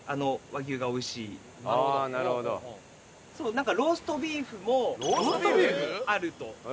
なんかローストビーフもあると。